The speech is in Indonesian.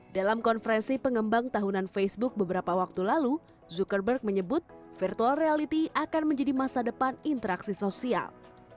dalam konferensi pengembang tahunan facebook beberapa waktu lalu zuckerberg menyebut virtual reality akan menjadi masa depan interaksi sosial